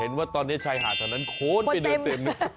ว่าตอนนี้ชายหาดแถวนั้นโค้นไปเดินเต็ม